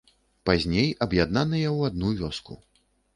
Пазней аб'яднаныя ў адну вёску.